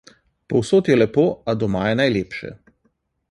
Povsod je lepo, a doma je najlepše.